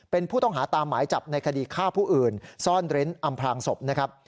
เป็นผู้ต้องหาตามหมายจับในคดีฆ่าผู้อื่นซ่อนเร้นอำพลางศพนะครับ